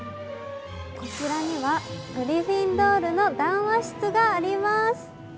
こちらにはグリフィンドールの談話室があります。